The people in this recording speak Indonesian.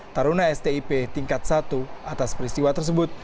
taruna stip tingkat satu atas peristiwa tersebut